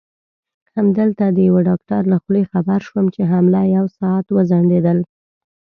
همدلته د یوه ډاکټر له خولې خبر شوم چې حمله یو ساعت وځنډېدل.